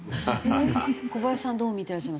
小林さんどう見ていらっしゃいますか？